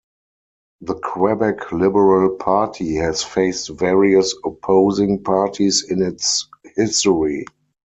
The Quebec Liberal Party has faced various opposing parties in its history.